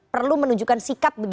perlu menunjukkan sikap